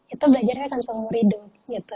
itu belajarnya akan seluruh hidup